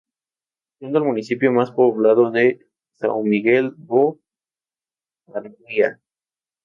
Siendo el municipio más poblado São Miguel do Araguaia.